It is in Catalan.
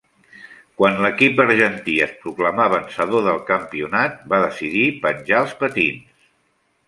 Quan va l'equip argentí es proclamà vencedor del campionat, va decidir penjar els patins.